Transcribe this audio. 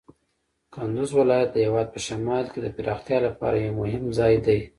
کندز ولایت د هېواد په شمال کې د پراختیا لپاره یو مهم ځای دی.